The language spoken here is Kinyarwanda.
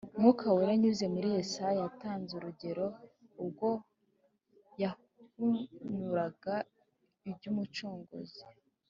Mwuka Wera anyuze muri Yesaya, yatanze urugero, ubwo yahanuraga iby’Umucunguzi,